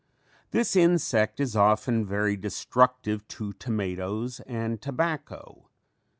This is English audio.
] This insect is often very destructive to tomatoes and tobacco.